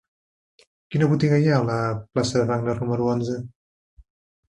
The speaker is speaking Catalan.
Quina botiga hi ha a la plaça de Wagner número onze?